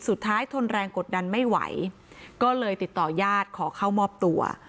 ทนแรงกดดันไม่ไหวก็เลยติดต่อยาดขอเข้ามอบตัว